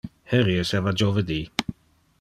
Heri esseva jovedi.